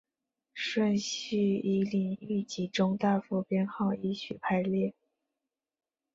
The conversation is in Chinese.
顺序依领域及中大服编号依序排列。